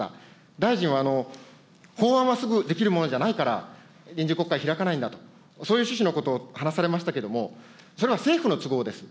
大臣は法案はすぐできるものじゃないから、臨時国会開かないんだ、そういう趣旨のことを話されましたけども、それは政府の都合です。